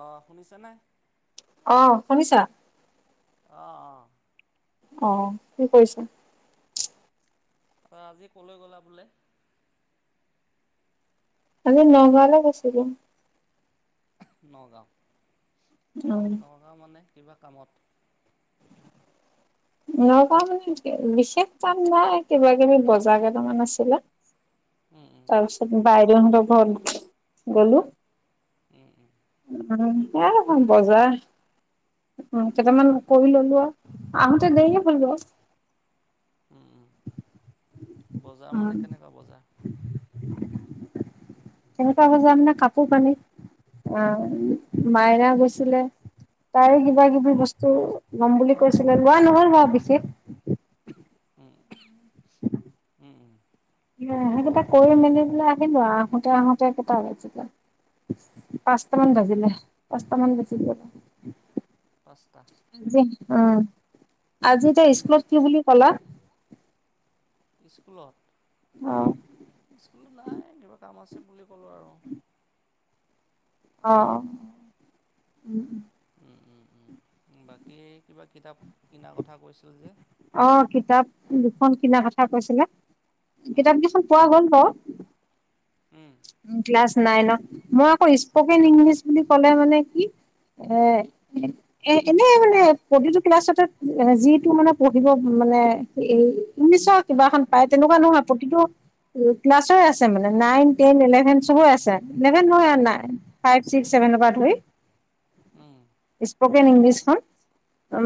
অ', শুনিছেনে? অ', শুনিছা? অ', অ'। অ', কি কৰিছা? আজি ক'লৈ গ'লা বোলে? আজি নগাঁৱলে গৈছিলোঁ। নগাঁও! উ নগাঁও মানে কিবা কামত? [unintelligible] নগাঁও মানে বিশেষ কাম নাই কিবা কিবি বজাৰ কেইটামান আছিলে। উম, উম। তাৰপিছত বাইদেউহতৰ ঘৰত গ'লো। [inaudible] উম, এইয়াই বজাৰ। উম, কেটামান কৰি ল'লো আৰু। আহোঁতে দেৰিয়ে হ'ল বাৰু। উম, উম। বজাৰ উম মানে কেনেকুৱা বজাৰ? কেনেকুৱা বজাৰ মানে কাপোৰ কানি। অ', মাইনা গৈছিলে তাই কিবা উম কিবি বস্তু ল'ম বুলি কৈছিলে, লোৱা নহ'ল বাৰু বিশেষ। উম, উম, উম। সেইকেইটা কৰি মেলি পেলাই আহিলোঁ আৰু আহোঁতে, আহোঁতে কেইটা বজিলে পাঁচটা মান বাজিলে, পাঁচটা মান বাজি গ'ল। পাঁচটা! আজি উম, আজি তে স্কুলত কি বুলি ক'লা? স্কুলত? অ'। স্কুলত নাই, কিবা কাম আছে বুলি ক'লোঁ আৰু। উম অ', অ'। উম, উম, উম। বাকী, কিবা কিতাপ কিনাৰ কথা কৈছিল যে! অ, কিতাপ দুখন কিনা কথা কৈছিলে। উম কিতাপ কেইখন পোৱা গ'ল ত। উম ক্লাছ নাইন মই আকৌ স্পকেন ইংলিছ বুলি ক'লে মানে কি এ, এ, এনে মানে প্ৰতিটো ক্লাছতে যিটো মানে পঢ়িব মানে ইংলিছৰ কিবা এখন পায় তেনেকুৱা নহয় প্ৰতিটো ক্লাছই আছে, মানে নাইন টেন ইলেভেন চ'ব আছে eleven um nine. Five, six, seven পৰা ধৰি [inaudible] স্পকেন ইংলিছখন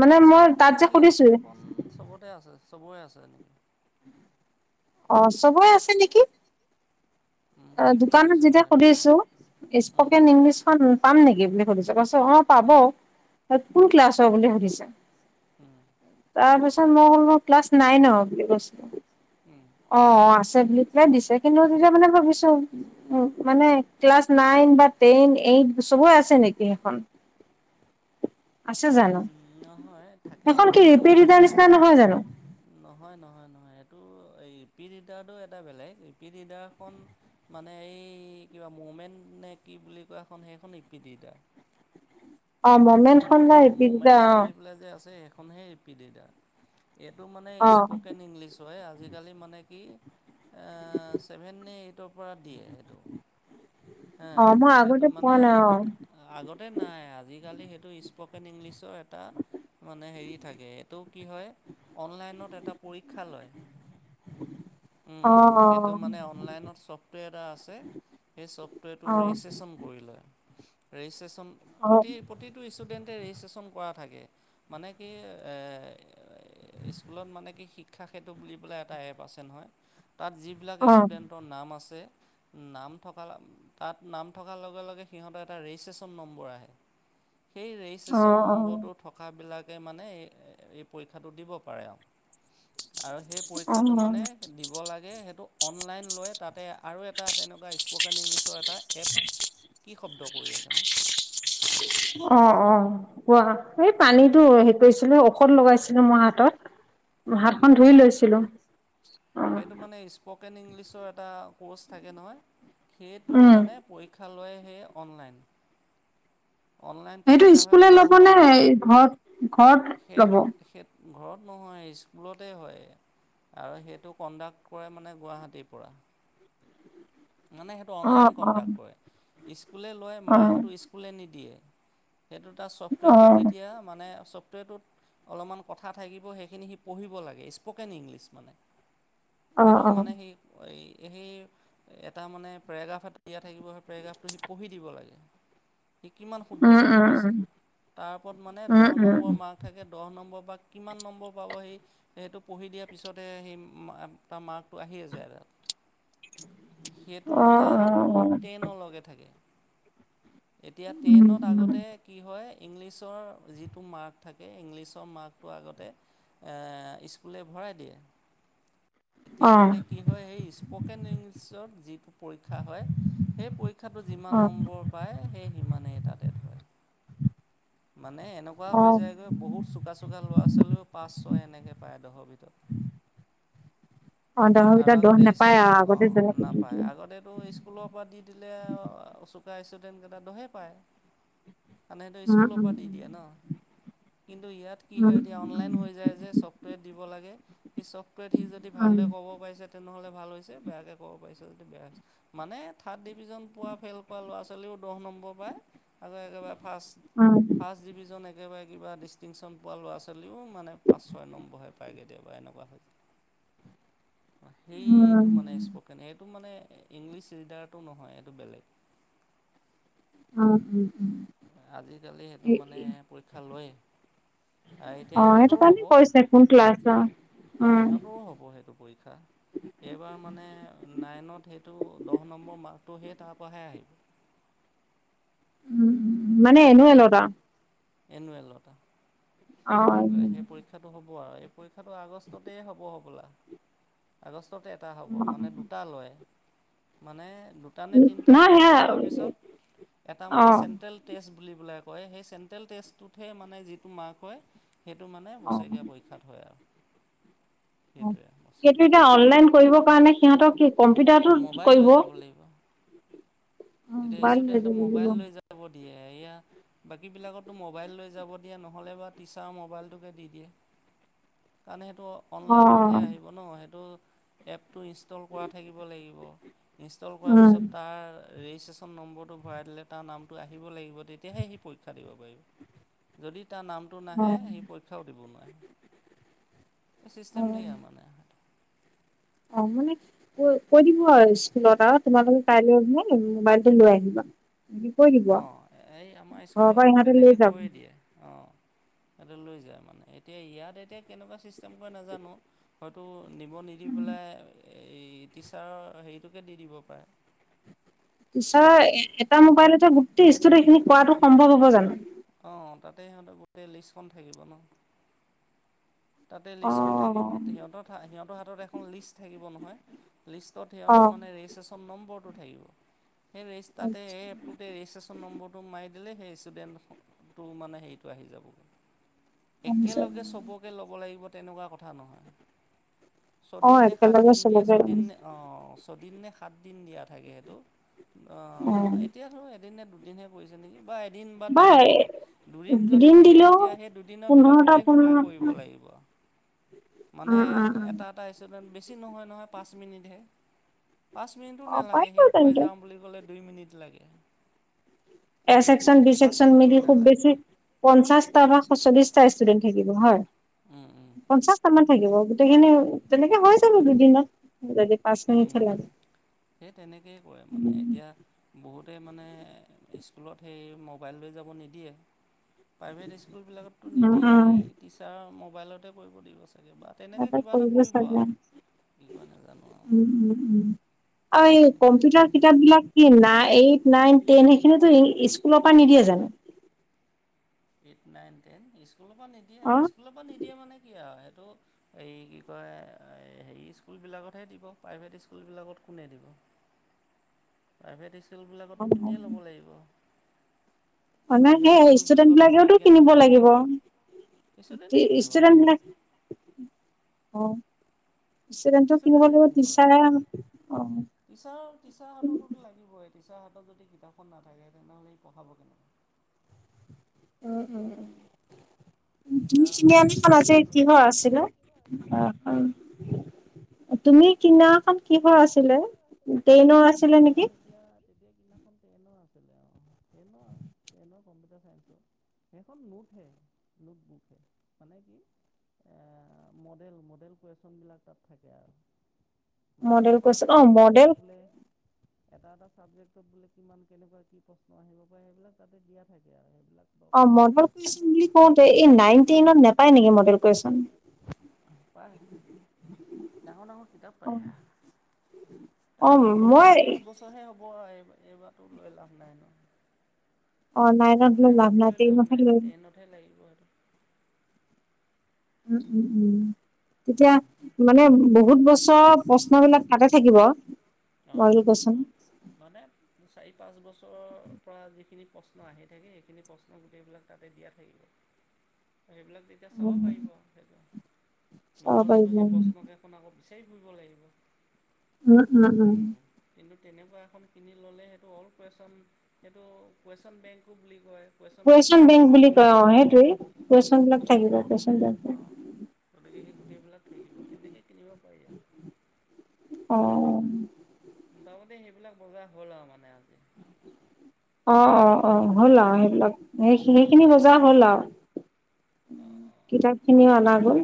মানে মই স্পকেন তাত যে সুধিছোৱে। ইংলিছখন চবতে আছে, চবৰে আছে এনেই। অ, চবয় আছে নেকি। উম অ, কি বুলি দোকানত কৈছে যেতিয়া মানে দোকান খুুলিছো উম স্পকেন ইংলিছ পাম নেকি বুলি সুধিছে পছ অ, পাব উম, কোন ক্লাছ বুলি সুধিছে? [inaudible] তাৰ পিছত মই'ল ম ক্লাছ নাইন বুলি কৈছিলো। উম, অ', অ', আছে বুলি পেলাই দিছে কিন্তু তেতিয়া মানে ভাবিছো। মানে ক্লাছ নাইন বা টেন এইট চবে আছে নেকি সেইখন। আছে জানো উম, নহয় থাকে সখন কি এই ইপি ৰিডাৰটো ছিক্স নিচিনা নহয় জানো। নহয়, নহয়, নহয় এইটো এই ইপি ৰিডাৰটো এটা বেলেগ ইপি ৰিডাৰখন মানে এই কিবা মমেন্ট নে কি বুলি কোৱাখন সেইখন ইপিটিতা অ', মমেন্টখন বা ৰিপিৰিটা ম'মেণ্টছ বুলি পেলাই যে আছে সেইখন সেই পিডডা এইটো মানে অ', স্পকেন ইংলিছ ছয় আজিকালি মানে কি চছেভেন, এইটৰ পৰা দিয়ে সেইটো। হ, অ', অ', মই সেইটো আগতে পোৱা মানে নাই অ', আগতে নাই আজিকালি সেইটো স্পকেন ইংলিছৰ এটা মানে হেৰি থাকে এইটো কি হয় অনলাইনত এটা পৰীক্ষা লয়। সেইটো অ', মানে অনলাইনত ছফ্টৱেৰ এটা আছে। সেই চফ্টৱেৰটো অ', অ', ৰেজিষ্ট্ৰেশচন কৰিলে ৰেজিষ্টন প্ৰতি অ', প্ৰতিটো ষ্টুডেণ্টে ৰেজিষ্ট্ৰেশ্যন কৰা থাকে মানে কি স্কুলত মানে কি শিক্ষা সেইেতু বুলি পেলাই এটা এ প আছে নহয়। তাত যিবিলাক অ', ষ্টুডেণ্টৰ নাম আছে। নাম থকা তাত নাম থকাৰ লগে, লগে সিহঁতৰ এটা ৰেজিষ্ট্ৰেশ্যন নম্বৰ আহে। সেই ৰেজিষ্ট্ৰেচশ্যন অ', অ'। নম্বৰটোত থকাবিলাকে মানে এই পৰীক্ষাটো দিব পাৰে আৰু, আৰু সেই অ', পৰীক্ষাটো মানে দিব লাগে। সেইটো অনলাইন লয় তাতে আৰু এটা তেনেকুৱা স্পকেন ইংলিছৰ এটা এপ কি শব্দ কৰি আছেনো। অ', অ'। কোৱা এই পানীতটো হেৰি কৰিছিলে ঔষধ লগাইছিলো মোৰ হাতত। হাতখন ধুই লৈছিলো। অ', সেইটো মানে স্পকেন ইংলিছৰ এটা ক'ৰ্চ থাকে নহয় সেইটো উম, মানেপৰিক্ষ। শিক্ষালয় হে অনলাইন। অনলাইন সেইটো পৰীক্ষা হয় স্কুলে ল'ব দহ নে নম্বৰ ঘৰত ঘৰত স, ল'ব? স ঘৰত নহয় স্কুলতে হয়। আৰু সেইটো কণ্ডাক্ট কৰে মানে গুৱাহাটীৰ পৰা। মানে সেইটো অ', অনলাইন অ', কণ্ডাক্ট কৰে স্কুলে লয় অ', মাৰ্কটো স্কুলে নিদিয়ে। সেইটো তাৰ ছফ্টৱেৰটোত অ', যেতিয়া মানে ছফ্টৱেৰটোত অলপমান কথা থাকিব সেইখিনি সি পঢ়িব লাগে স্পকেন ইংলিছ মানে অ', সেইটো অ', মানে সেই এই, সেই এটা মানে পেৰাগ্ৰাফ এ দিয়া থাকিব সেই পেৰাগ্ৰাফটো সি পঢ়ি দিব লাগেই। সি কিমান উম, শুদ্ধকে উম, পঢ়িছে উম, তাৰ ওপৰত মানে উম, দহ উম, নম্বৰ মাৰ্ক। থাকে দহ নম্বৰ বা কিমান নম্বৰ পাব সেই। সেইটো পঢ়ি দিয়াৰ পিছতহে সেই তাৰ মাৰ্কটো আহিয়ে যায়। সেইটো অ', মানে অ', আপ টু অ টেনৰ লগকে থাকে। এতিয়া উম, ট্ৰেইনত উম, আগতে। কি হয় ইংলিছৰ যিটো মাৰ্ক থাকে ইংলিছৰ মাৰ্কটো আগতে স্কুলে ভৰাই দিয়ে। এতিয়া অ', মানে কি হয় সেই স্পকেন ইংলিছত যিটো পৰীক্ষা হয়। সেই পৰীক্ষাটো যিমান অ', নম্বৰ পায় সেই সিমানেই তাতে ধৰে। মানে এনেকুৱা হৈ অ', যায়গৈ বহুত চোকা চুোকা ল'ৰা ছোৱালীও পাঁচ ছয় এনেকৈ পায়ডোহৰ ভিতৰত। অ দহৰ আৰু ভিতৰত দহ আগতে নাপায় আৰু স্কুলত আগতে অ' যেনেকে দি নাপায় দিয়ে। আগতে টো স্কুলৰ পৰা দি দিলে অচোকা ষ্টুডেণ্টকেইটা দহে পায় তেনে সেইটো উম, স্কুলৰ উম, পৰা দি দিয়ে ন কিন্তু ইয়াত কি উম, হয় এতিয়া অনলাইন হৈ য [unintelligible] পাৰিছে উম, উম, তেনেহ'লে ভাল হৈছে বেয়াকে ক'ব পাৰছ যদি বেয়া। মানে থাৰ্ড ডিভিজন পোৱা ফেইল কৰা ল'ৰা ছোৱালীও দহ নম্বৰ পায়। আগকবাৰ ফাঁষ্ট অ'। ফাৰ্ষ্ট ডিভিজন একেবাৰে কিবা ডিষ্টিংশ্যন পোৱা ল'ৰা ছোৱালীও মানে পাঁচ ছয় নম্বৰহে পায় কেতিয়াবা এনেকুৱা হৈছোয়। [unintelligible] সেইটো উম, মানে স্পকেন সেইটো মানে ইংলিছ ৰিডাৰটো নহয় এইটো বেলেগ। অ' উম, উ। আজিকালি সেইটো মানে পৰীক্ষা লয়। এতিয়া অ সেইটো ইহঁতৰো কাৰণে হ'ব। কৈছে কোন ক্লাছৰ অ' উম ইিহঁতৰও হ'ব সেইটো পৰীক্ষা। এইবাৰ মানে নাইনত সেইটো দহ নম্বৰ মাৰ্কটোহে তাৰপৰাহে আহিব। উম উ মানে এনে লতা? এনুৱেলতটা। আও সেই অ পৰীক্ষাটো হ'ব আৰু এই পৰীক্ষাটো আগষ্টতেই হ'ব হ'বলা আগষ্টতে দু হ' মানে দুটা ল মানে তাৰমানে তিনিটা নহয় টেষ্ট সেয়া লোৱাৰ পিছত এটা অ মানে চেণ্ট্ৰেল টেষ্ট বুলি পেললে কয় সেই চেণ্ট্ৰেল টেষ্টটোতহে মানে যিটো মাৰ্ক হয় সেইটো মানে অ বছৰেৰীয়া অ পৰীক্ষা। স্ষাত হয় আৰু। সেইটোৱে বস্তুটো সেইটো এতিয়া অনলাইন কৰিবৰ কাৰণে সিহঁতক কি কম্পিউটাৰটোত মোবাইল লৈ কৰিব যাব লাগিব। এতিয়া মোবাইল লৈ ষ্টুডেন্ট যাব লাগিব মোবাইল লৈ যা। দিয়ে এয়া বাকী বিলাকতো মোবাইল লৈ যাব দিয়া নহ'লে বা ম ম হয়। অ ন সেইটো এপটো ইনষ্টল কৰা থাকিব লাগিব। ইনষ্টল কৰাৰ উম পিছত তাৰ ৰেজিষ্ট্ৰেশ্যন নম্বৰটো ভৰাই দিলে তাৰ নামটো আহিব লাগিব তেতিয়াহে সি পৰীক্ষা দিব পাৰিব। যদি তাৰ নাম টো নাহে অ সি পৰীক্ষাও দিব নোৱাৰে এই অ চিষ্টেম ঢে আৰু মানে। অ' মানে কৈ দিব আৰু স্কুলত আৰু তোমালোকে কাইলৈে মোবাইলটো লৈ আহিবা। কৰি। অ' এই আমাৰ স্কুলত লৈ তেনেকৈ যাব কৈয় দিয়ে অ'। সহতে লৈ যায় মানে এতিয়া ইয়াত এতিয়া কেনেকুৱা ছিষ্টেম কৈ নাজানো। হয়তো নিব নিদি পেলাই এই টিচাৰৰ হেৰিটোকে দি দিব পাৰে। তিছাৰ এটা মোবাইলতে গোটেই ষ্টুডেট খিনি কৰাটো সম্ভৱ হ'ব জানো? অ' তাতে সিহঁতৰ গোটেই লিষ্টখন থাকিব ন। তাতে লিষ্টখন থাকিব অ', সিহঁতৰ, সিহঁতৰ হাতত এখন লিষ্ট থাকিব নহয়। লিষ্টত সিহঁতৰ অ', মানে ৰেজিষ্ট্ৰেশ্যন নম্বৰটো থাকিব সেই ৰেজ তাতে এই এপটোত গোটেই ৰেজিষ্ট্ৰেশ্যন নম্বৰটো মাৰি দিলে সেই ষ্টুডেণ্টটো মানে হেৰিটো আহি যাবগৈ। আচ্ছা একেলগে সবকে ল'ব লাগিব তেনেকুৱা কথা নহয়। ছদিন অ', নে একেলগে সাতদিন দিয়া চবকে ছদিন নে অ, ছদিন নে সাতদিন দিয়া থাকে সেইটো অ, উম, এতিয়াতো এদিন নে দুদিনহে কৰিছে নেকি, বা এদিন বা দুদিন দুদিন বাই দিলে, দুদিন যদি দিয়ে তেতিয়া সেই দুদিনৰ ভিতৰত পোন্ধৰটা গোটেই সোপাই পোন্ধৰটা কৰিব লাগিব। মানে উম, উম, উম। এটা, এটা ষ্টুডেণ্ট বেছি নহয়, নহয়, পাঁচ মিনিটহে। পাঁচ মিনিটো নে অ', লাগে, পাৰিব সি কৰি তেন্তে যাওঁ বুলি ক'লে দুই মিনিট লাগে। এ, ছেকশ্যন বি পাঁচ ছেকশ্যন মিনিটো মিলি খুব নালাগে বেছি পঞ্চাশটা বা চল্লিশটা ষ্টুডেন্ট থাকিব হয়। উম উম পঞ্চাশ মান থাকিব গোটেইখিনি তেনেকে হৈ যাব দুদিনত পাঁচ মিনিটহে লাগে। সেই তেনেকেই কৰে মানে, উম, এতিয়া বহুতে মানে স্কুলত সেই মোবাইল লৈ যাব নিদিয়ে। প্ৰাইভেট স্কুলবিলাকততো উম, নিদিয়ে, উম, সেই টিচাৰৰ মোবাইলতে কৰিব দিব চাগে। বা তেনেকৈ কিবা এটা কৰিব আৰু কি কৰে নাজানো আৰু। উম, উম, উম, আৰু এই সেইটোৱে কম্পিউটাৰ ছিষ্টেম কিতাপ বিলাক কি নাই? এইট নাইন টেন সেইখিনি টো স্কুলৰ পৰা নিদিয়ে জানো? এইট নাইন টেন স্কুলৰ পৰা নিদিয়ে, অ স্কুলৰ পৰা নিদিয়ে মানে কি আৰু সেইটো এ কি কয় হেৰি স্কুলবিলাকতহে দিব, প্ৰাইভেট স্কুলবিলাকত কোনে দিব। প্ৰাইভেট অ স্কুলবিলাকতো কিনিয়ে ল'ব লাগিব। অ, নাই প্ৰাইভেট সেই স্কুলবিলাকতো ষ্টুডেণ্টবিলাকেওতো ফ্ৰীকৈ কিনিব নাপায় লাগিব, নহয় ষ্টুডেণ্টে কিনিব লাগিব ষ্টুডেণ্টবিলাকে [inaudible] ষ্টুডেণ্টটেও কিনিব ষ্টুডেণ্টে লাগিব লাগে টিচাৰে অ'। টিচাৰ, টিচাৰ হাততোতো লাগিবই। টিচাৰৰ হাতত যদি কিতাপখন নাথাকে তেনেহ'লে সি পঢ়াব কেনেকে? উম, উম। ইচ্ছা হাতত গাইড বুক এটাতো [unintelligible] কিহৰ লাগিবই আছিলে? হা তুমি কিনাখন কিহৰ আছিলে? টেনৰ আছিল নে? মই সেই এতিয়া তেতিয়া কিনাখন টেনৰ আছিলে অ, টেনৰ, টেনৰ কম্পিউটাৰ চাইঞ্চৰ। সেইখন নোটহে, নোট বুকহে মানে কি এ, মডেল, মডেল কোৱেইছন বিলাক তাত থাকে আৰু মানে মডেল এটা, এটা কুৱেশন অ চাবজেক্টত মডেল বোলে এটা, এটা ছাবজেক্টত বোলে কিমান কেনেকুৱা কি প্ৰশ্ন আহিব পাৰে সেইবিলাক তাতে দিয়া থাকে আৰু সেইবিলাক অ, দৰকাৰ হয় মডেল কুৱেশন বুলি কওঁতে, এই নাইন টেনত নাপায় নেকি মডেল কুৱেইশন? [inaudible] ডাঙৰ, ডাঙৰ কিতাপ অ পায়। অ সেইটো মই নেক্সট বছৰহে হ'ব আৰু এইবাৰটো লৈ লাভ নাই ন। অ, নাই। নাইনত লৈ লাভ ট্ৰেইনতহে নাই। লৈ টেনতহে লাগিব আৰু। উম, উম, উম তেতিয়া মানে বহুত বছৰ প্ৰশ্ন বিলাক তাতে থাকিব। অ, মডেল কুৱেচন [unintelligible] মানে চাৰি, পাঁচ বছৰৰ পৰা যিখিনি প্ৰশ্ন আহি থাকে, সেইখিনি প্ৰশ্ন গোটেইবিলাক তাতে দিয়া থাকে। সেইবিলাক দি এতিয়া চাব পাৰিব, সেইটো চাব নহ'লেতো পাৰিব সেই উম প্ৰশ্নকেইখন আকৌ বিচাৰি ফুৰিব লাগিব। উম, উম। উম। কিন্তু তেনেকুৱা এখন কিনি ল'লে টো অল কুৱেইশ্যন সেইটো কুৱেইশ্যন বেংকো বুলি কয়। কুৱেশ্যন কুৱেইশন বেংকত বেংক বুলি কয় কুৱেশ্যনবিলাকো অ, থাকে সেইটোৱে, কুৱেইশন বিলাক গতিকে থাকিব কুৱেশন বেংক। অঁ গতিকে সেই গোটেইবিলাক থাকিব, তেনেকৈ কিনিব পাৰি আৰু অ মোটামুটি সেইবিলাক বজাৰ হ'ল আৰু মানে আজি। অ', অ', অ', হ'ল আৰু সেইবিলাক সেই সেইখিনি বজাৰ হ'ল আৰু অঁ কিতাপ খিনিও অনা গ'ল।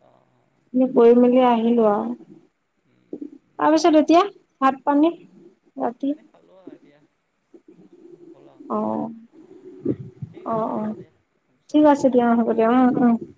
অহ অহ। কৰি মেলি আহিলো আৰু তাৰপিছত এতিয়া ভাত পানী? ভাত ৰাতি পানী খালোঁ আৰু এতিয়া হ'ল আৰু অহ। ঠিক অ', আছে বাৰু অ' দিয়া পিছত ঠিক কৰিম আছে দিয়া হ'ব দিয়া অ' অ'। বাৰু